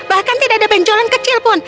bahkan tidak ada benjolan kecil pun